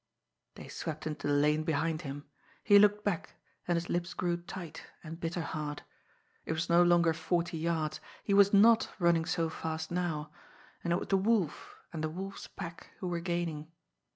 They swept into the lane behind him. He looked back and his lips grew tight, and bitter hard. It was no longer forty yards he was not running so fast now and it was the Wolf, and the Wolf's pack, who were gaining.